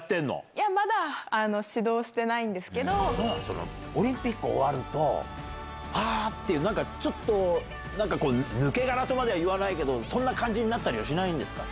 いや、まだ始動してないんでオリンピック終わると、あーって、なんかちょっと、なんかこう、抜け殻とまではいわないけど、そんな感じになったりはしないんですか？